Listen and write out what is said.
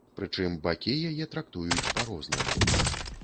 Прычым бакі яе трактуюць па-рознаму.